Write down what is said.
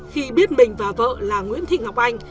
khi biết mình và vợ là nguyễn thị ngọc anh